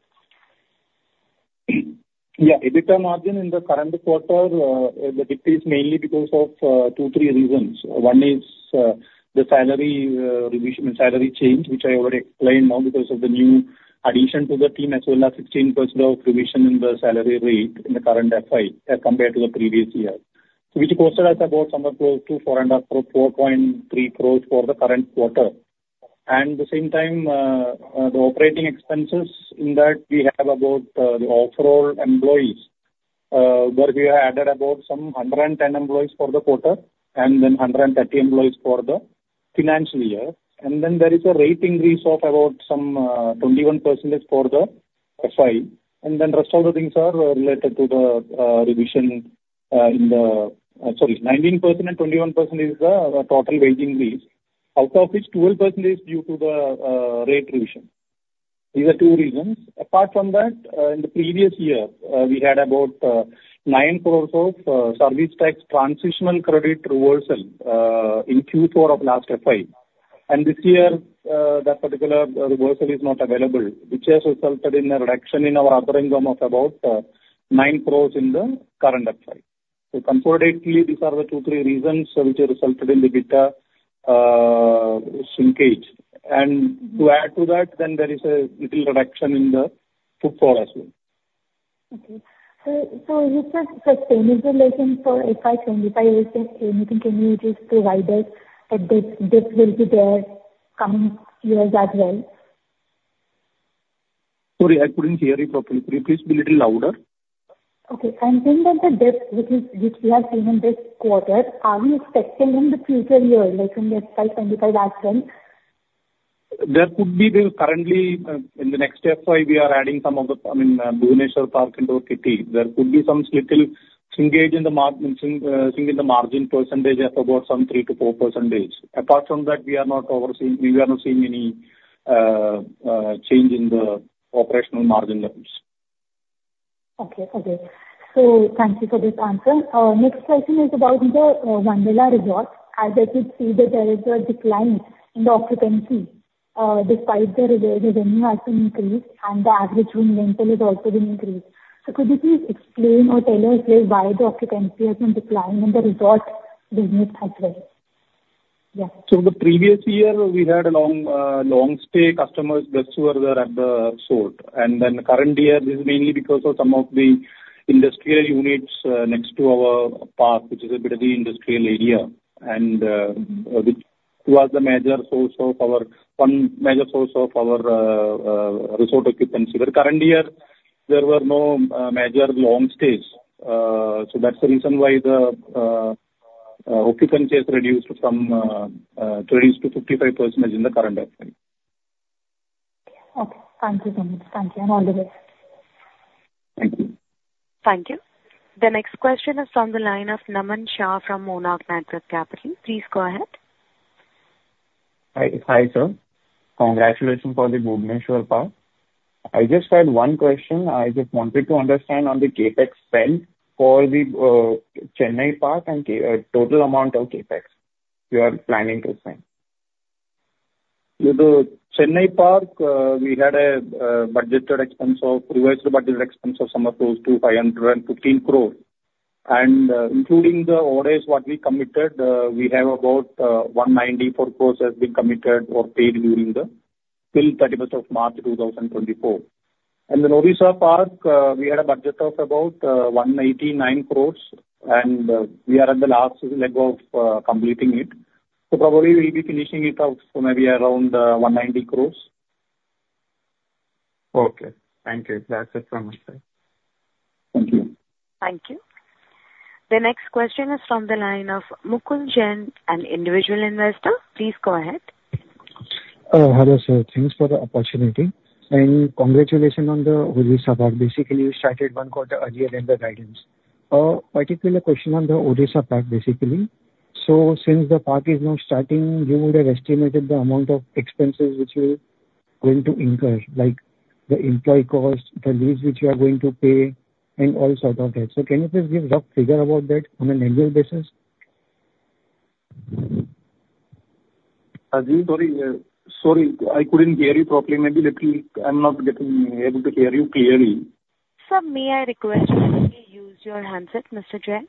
Yeah, EBITDA margin in the current quarter, the decrease mainly because of two, three reasons. One is the salary revision, salary change, which I already explained now, because of the new addition to the team, as well as 16% revision in the salary rate in the current FY as compared to the previous year, which cost us about somewhere close to 4.3 crore for the current quarter. And the same time, the operating expenses in that we have about the overall employees, where we added about 110 employees for the quarter and then 130 employees for the financial year. And then there is a rate increase of about 21% for the FY. Then rest of the things are related to the revision. Sorry, 19% and 21% is the total wage increase. Out of which, 12% is due to the rate revision. These are two reasons. Apart from that, in the previous year, we had about 9 crore of service tax transitional credit reversal in Q4 of last FY. And this year, that particular reversal is not available, which has resulted in a reduction in our other income of about 9 crore in the current FY. So consolidately, these are the two, three reasons which have resulted in EBITDA shrinkage. And to add to that, then there is a little reduction in the footfall as well. Okay. So, is that sustainable like in for FY 2025 or anything? Can you just provide us that this dip will be there coming years as well? Sorry, I couldn't hear you properly. Could you please be a little louder? Okay. I'm saying that the dip which is, which we have seen in this quarter, are we expecting in the future year, like in FY 2025 as well? There could be, currently, in the next FY, we are adding some of the, I mean, Bhubaneswar park into our kitty. There could be some little shrinkage in the margin percentage of about 3%-4%. Apart from that, we are not overseeing, we are not seeing any change in the operational margin levels. Okay. Okay. So thank you for this answer. Next question is about the Wonderla Resort. As I could see that there is a decline in the occupancy, despite the revenue has been increased and the average room rental has also been increased. So could you please explain or tell us, like, why the occupancy has been declining in the resort business as well? Yeah. So the previous year, we had long stay customers, guests who were there at the resort. And then the current year, this is mainly because of some of the industrial units next to our park, which is a bit of the industrial area, and which was one major source of our resort occupancy. But current year, there were no major long stays. So that's the reason why the occupancy has reduced from 20%-55% in the current FY. Okay. Thank you so much. Thank you and all the best. Thank you. Thank you. The next question is from the line of Naman Shah from Monarch Networth Capital. Please go ahead. Hi, hi, sir. Congratulations on the Bhubaneswar park. I just had one question. I just wanted to understand on the CapEx spend for the Chennai park and total amount of CapEx you are planning to spend? With the Chennai park, we had a revised budgeted expense of somewhere close to 515 crores. Including the orders what we committed, we have about 194 crores has been committed or paid during till March 31, 2024. The Odisha park, we had a budget of about 189 crores, and we are at the last leg of completing it. So probably we'll be finishing it out, so maybe around 190 crores. Okay. Thank you. That's it from my side. Thank you. Thank you. The next question is from the line of Mukund Jain, an individual investor. Please go ahead. Hello sir, thanks for the opportunity, and congratulations on the Odisha park. Basically, you started one quarter earlier than the guidance. Particular question on the Odisha park, basically. So since the park is now starting, you would have estimated the amount of expenses which you are going to incur, like the employee cost, the lease which you are going to pay, and all sort of that. So can you please give rough figure about that on an annual basis?... ji, sorry, sorry, I couldn't hear you properly. Maybe little, I'm not getting able to hear you clearly. Sir, may I request you to please use your handset, Mr. Jain?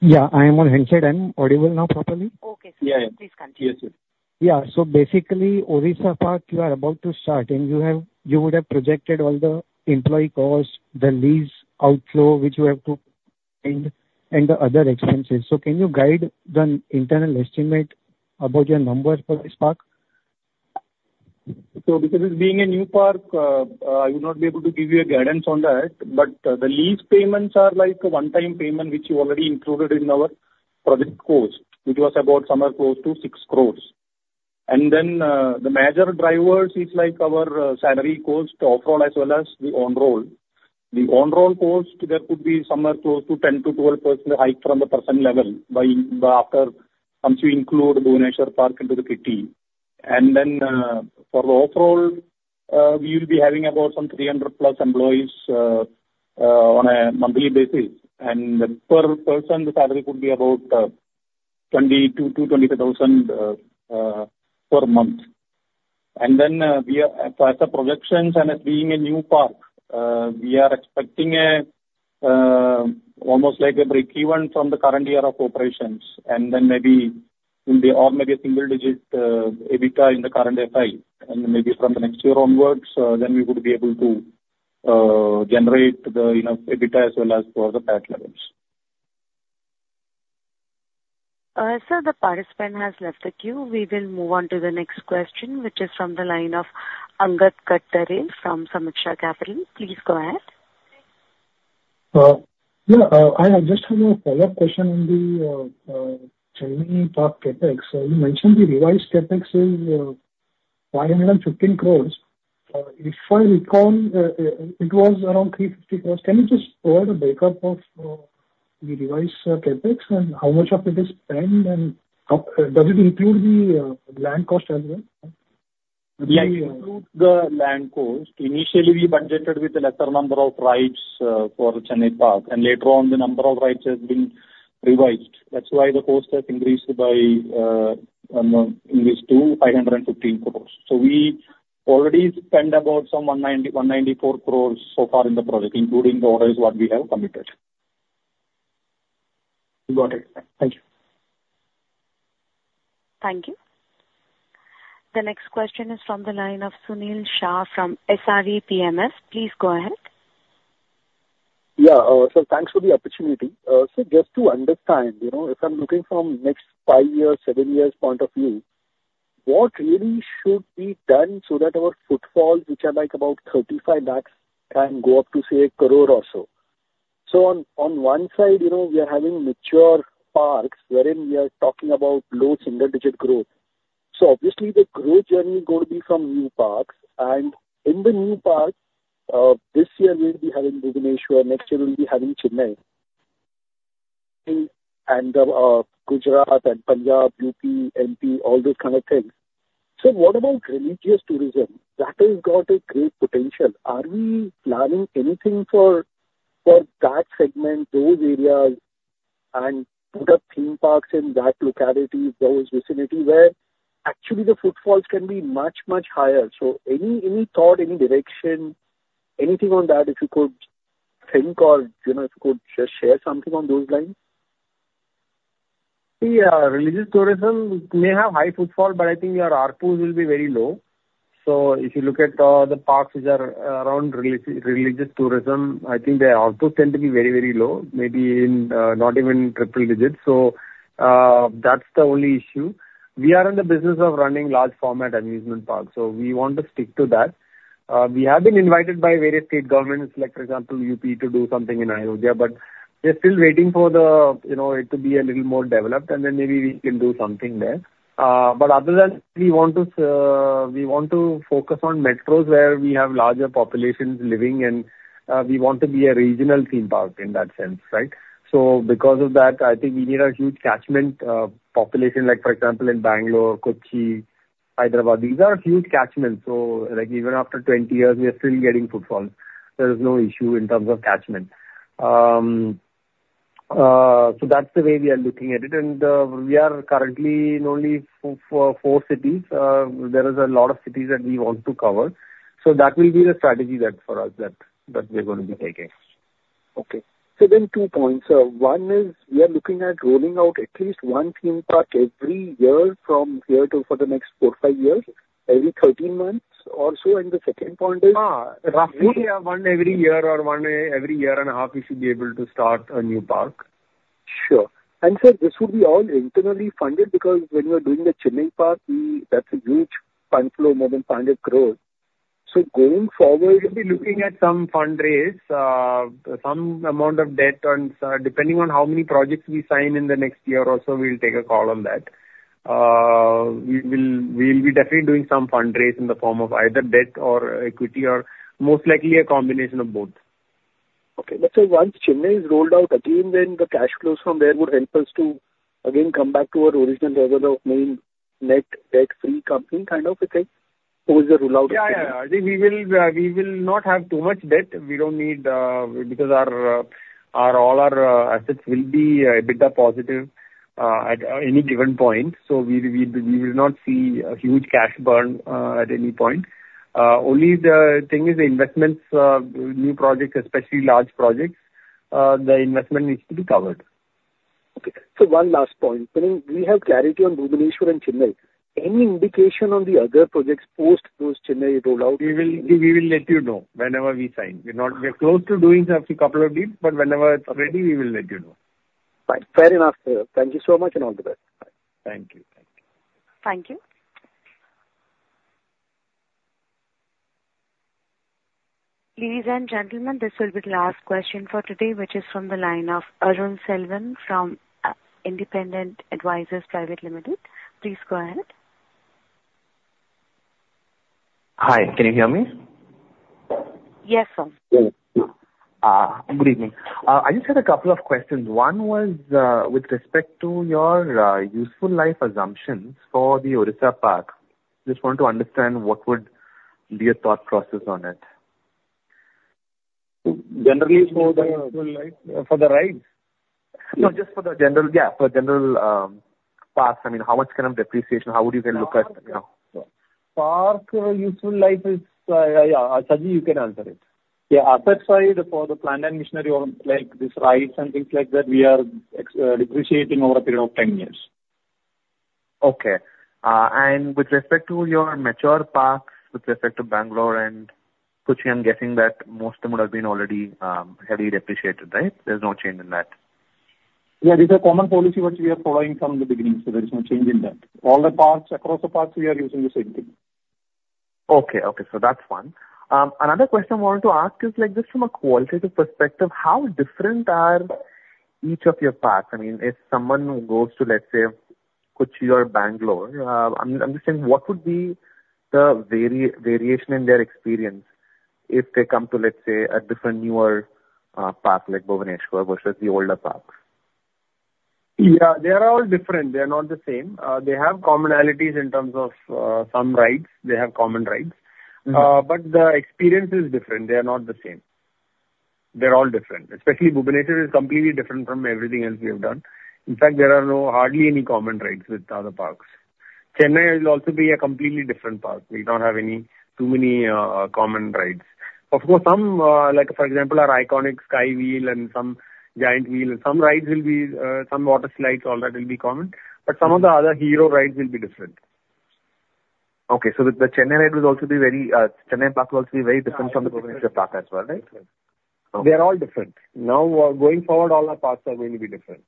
Yeah, I am on handset. I'm audible now properly? Okay, sir. Yeah, yeah. Please continue. Yes, sir. Yeah. So basically, Odisha park, you are about to start, and you have, you would have projected all the employee costs, the lease outflow, which you have to end, and the other expenses. So can you guide the internal estimate about your numbers for this park? Because it's being a new park, I would not be able to give you a guidance on that. But, the lease payments are like a one-time payment, which you already included in our project cost, which was about somewhere close to 6 crore. And then, the major drivers is like our, salary cost, off-roll, as well as the on-roll. The on-roll cost, that could be somewhere close to 10%-12% hike from the present level by after, once you include Bhubaneswar park into the kitty. And then, for the off-roll, we will be having about some 300+ employees, on a monthly basis. And per person, the salary could be about, 20,000-22,000, per month. And then, we are, as a projections and as being a new park, we are expecting a, almost like a break-even from the current year of operations, and then maybe will be on maybe a single digit, EBITDA in the current FY. And maybe from the next year onwards, then we would be able to, generate the, you know, EBITDA as well as for the PAT levels. Sir, the participant has left the queue. We will move on to the next question, which is from the line of Angad Katdare from Sameeksha Capital. Please go ahead. Yeah, I just have a follow-up question on the Chennai park CapEx. So you mentioned the revised CapEx is 515 crores. If I recall, it was around 350 crores. Can you just provide a breakup of the revised CapEx, and how much of it is spent, and how does it include the land cost as well? Yeah, it includes the land cost. Initially, we budgeted with a lesser number of rides for the Chennai park, and later on, the number of rides has been revised. That's why the cost has increased by, increased to 515 crores. So we already spent about some 190, 194 crores so far in the project, including the orders what we have committed. Got it. Thank you. Thank you. The next question is from the line of Sunil Shah from SRE PMS. Please go ahead. Yeah. So thanks for the opportunity. So just to understand, you know, if I'm looking from next five years, seven years point of view, what really should be done so that our footfalls, which are like about 35 lakhs, can go up to, say, 1 crore or so? So on one side, you know, we are having mature parks, wherein we are talking about low single-digit growth. So obviously the growth journey is going to be from new parks. And in the new parks, this year we'll be having Bhubaneswar, next year we'll be having Chennai, and, uh, Gujarat and Punjab, UP, MP, all those kind of things. So what about religious tourism? That has got a great potential. Are we planning anything for that segment, those areas, and put up theme parks in that locality, those vicinity, where actually the footfalls can be much, much higher? So any thought, any direction, anything on that, if you could think or, you know, if you could just share something on those lines? See, religious tourism may have high footfall, but I think your ARPUs will be very low. So if you look at, the parks which are around religious tourism, I think they are also tend to be very, very low, maybe in, not even triple digits. So, that's the only issue. We are in the business of running large format amusement parks, so we want to stick to that. We have been invited by various state governments, like, for example, UP, to do something in Ayodhya, but we are still waiting for the, you know, it to be a little more developed, and then maybe we can do something there. But other than that, we want to, we want to focus on metros where we have larger populations living and, we want to be a regional theme park in that sense, right? So because of that, I think we need a huge catchment, population, like for example, in Bangalore, Kochi, Hyderabad. These are huge catchments, so like even after 20 years, we are still getting footfalls. There is no issue in terms of catchment. So that's the way we are looking at it, and, we are currently in only four cities. There is a lot of cities that we want to cover. So that will be the strategy that for us, that, that we're going to be taking. Okay. So then two points. One is we are looking at rolling out at least 1 theme park every year from here to for the next four, five years, every 13 months or so. And the second point is- Ah, roughly, yeah, one every year or one every year and a half, we should be able to start a new park. Sure. And so this would be all internally funded, because when you are doing the Chennai park, we... That's a huge fund flow, more than 500 crore. So going forward- We'll be looking at some fundraise, some amount of debt, and, depending on how many projects we sign in the next year or so, we'll take a call on that. We will, we'll be definitely doing some fundraise in the form of either debt or equity, or most likely a combination of both. Okay. Once Chennai is rolled out again, then the cash flows from there would help us to again come back to our original level of maintain net debt-free company, kind of a thing?... Yeah, yeah, I think we will not have too much debt. We don't need because our all our assets will be EBITDA positive at any given point. So we will not see a huge cash burn at any point. Only the thing is the investments, new projects, especially large projects, the investment needs to be covered. Okay. So one last point. I mean, we have clarity on Bhubaneswar and Chennai. Any indication on the other projects post those Chennai rollout? We will, we will let you know whenever we sign. We're not. We're close to doing a few, couple of deals, but whenever it's ready, we will let you know. Fine. Fair enough, sir. Thank you so much, and all the best. Bye. Thank you. Thank you. Thank you. Ladies and gentlemen, this will be the last question for today, which is from the line of Arul Selvan from Independent Advisors Private Limited. Please go ahead. Hi, can you hear me? Yes, sir. Good evening. I just had a couple of questions. One was, with respect to your, useful life assumptions for the Odisha park. Just want to understand what would be your thought process on it? Generally for the useful life, for the rides? No, just for the general, yeah, for general, parks. I mean, how much kind of depreciation, how would you then look at, you know? Park, useful life is, yeah, Saji, you can answer it. Yeah, asset side, for the plant and machinery or like these rides and things like that, we are depreciating over a period of 10 years. Okay. And with respect to your mature parks, with respect to Bangalore and Kochi, I'm guessing that most of them would have been already heavily depreciated, right? There's no change in that. Yeah, this is a common policy which we are following from the beginning, so there is no change in that. All the parks, across the parks, we are using the same thing. Okay, okay. So that's fine. Another question I wanted to ask is, like, just from a qualitative perspective, how different are each of your parks? I mean, if someone goes to, let's say, Kochi or Bangalore, I understand what would be the variation in their experience if they come to, let's say, a different, newer park, like Bhubaneswar versus the older parks? Yeah, they are all different. They are not the same. They have commonalities in terms of, some rides. They have common rides. Mm-hmm. But the experience is different. They are not the same. They're all different. Especially Bhubaneswar is completely different from everything else we have done. In fact, there are no, hardly any common rides with other parks. Chennai will also be a completely different park. We don't have any, too many, common rides. Of course, some, like for example, our iconic Sky Wheel and some Giant Wheel, some rides will be, some water slides, all that will be common, but some of the other hero rides will be different. Okay, so with the Chennai ride will also be very, Chennai park will also be very different from the Bhubaneswar park as well, right? They are all different. Now, going forward, all our parks are going to be different.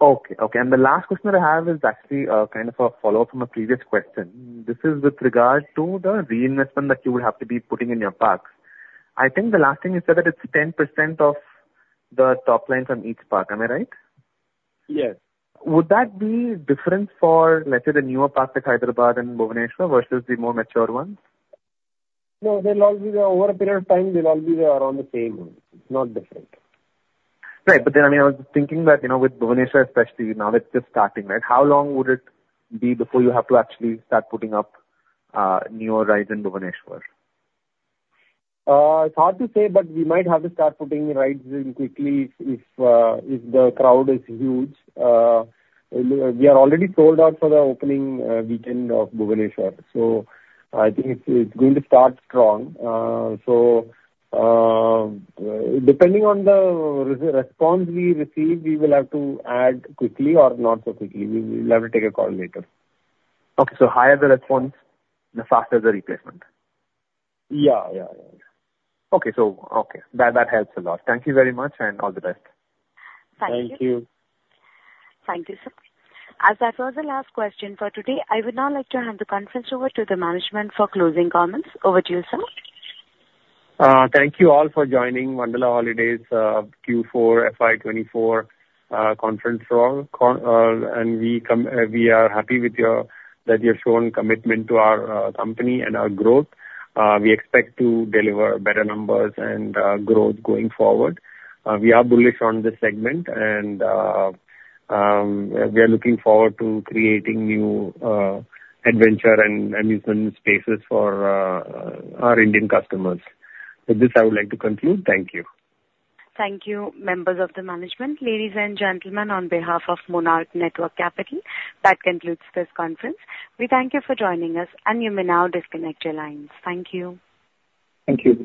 Okay, okay. And the last question I have is actually kind of a follow-up from a previous question. This is with regard to the reinvestment that you would have to be putting in your parks. I think the last thing you said that it's 10% of the top line from each park. Am I right? Yes. Would that be different for, let's say, the newer parks like Hyderabad and Bhubaneswar versus the more mature ones? No, they'll all be there. Over a period of time, they'll all be around the same. It's not different. Right. But then, I mean, I was thinking that, you know, with Bhubaneswar especially, now it's just starting, right? How long would it be before you have to actually start putting up newer rides in Bhubaneswar? It's hard to say, but we might have to start putting rides in quickly if the crowd is huge. We are already sold out for the opening weekend of Bhubaneswar, so I think it's going to start strong. Depending on the response we receive, we will have to add quickly or not so quickly. We will have to take a call later. Okay, so higher the response, the faster the replacement? Yeah, yeah, yeah. Okay. So, that helps a lot. Thank you very much and all the best. Thank you. Thank you. Thank you, sir. As that was the last question for today, I would now like to hand the conference over to the management for closing comments. Over to you, sir. Thank you all for joining Wonderla Holidays Q4 FY 2024 conference call. We are happy with your, that you have shown commitment to our company and our growth. We expect to deliver better numbers and growth going forward. We are bullish on this segment, and we are looking forward to creating new adventure and amusement spaces for our Indian customers. With this, I would like to conclude. Thank you. Thank you, members of the management. Ladies and gentlemen, on behalf of Monarch Networth Capital, that concludes this conference. We thank you for joining us, and you may now disconnect your lines. Thank you. Thank you.